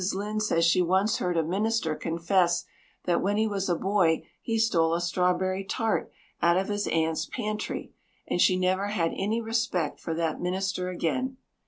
Lynde says she once heard a minister confess that when he was a boy he stole a strawberry tart out of his aunt's pantry and she never had any respect for that minister again.